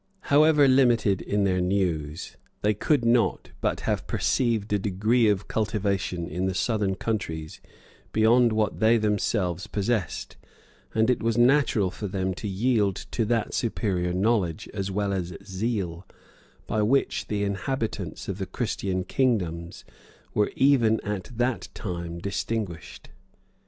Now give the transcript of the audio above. However limited in their news, they could not but have perceived a degree of cultivation in the southern countries beyond what they themselves possessed; and it was natural for them to yield to that superior knowledge, as well as zeal, by which the inhabitants of the Christian kingdoms were even at that time distinguished.